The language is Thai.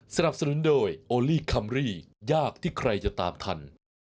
สนับสนุนโดยโอลี่คัมรี่ยากที่ใครจะตามทัน